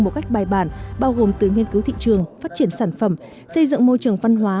một cách bài bản bao gồm từ nghiên cứu thị trường phát triển sản phẩm xây dựng môi trường văn hóa